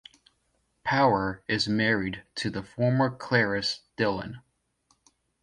Power is married to the former Clarice Dillon.